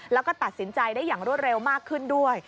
แล้วก็ตัดสินใจได้อย่างรวดเร็วมากขึ้นด้วย